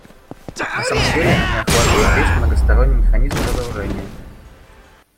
На самом деле они охватывают весь многосторонний механизм разоружения.